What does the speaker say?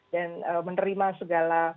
dan menerima segala